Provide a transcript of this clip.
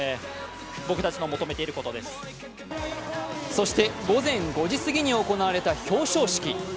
そして午前５時過ぎに行われた表彰式。